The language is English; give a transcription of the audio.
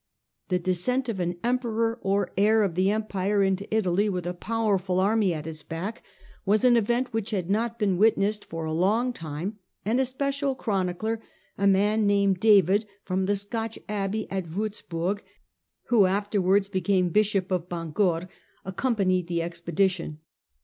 The descent of an emperor, or heir of the empire, into Italy with a powerful army at his back was an event which had not been wit nessed for a long time, and a special chronicler, a man named David (from the Scotch abbey at Wurzburg), who afterwards became bishop of Bangor, accompanied the expedition.